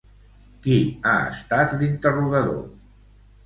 Qui ha estat l'interrogador?